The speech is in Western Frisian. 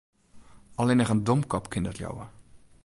Allinnich in domkop kin dat leauwe.